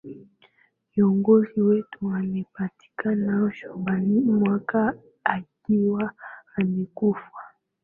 Kiongozi wetu amepatikana chumbani mwake akiwa amekufa.